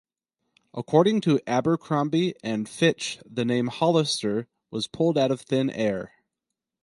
According to Abercrombie and Fitch, the name "Hollister" was pulled out of thin air.